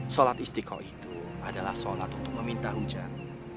sholat istiqo itu adalah sholat untuk meminta hujan